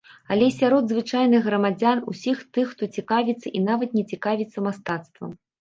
Але і сярод звычайных грамадзян, усіх тых, хто цікавіцца і нават не цікавіцца мастацтвам.